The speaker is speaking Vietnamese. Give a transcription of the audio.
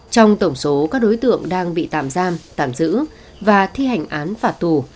trong tổng số các đối tượng đang bị tạm giam tạm giữ và thi hành án phạt tù